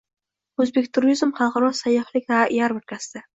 “O‘zbekturizm” xalqaro sayyohlik yarmarkasida